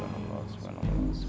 apakah anda bisa itu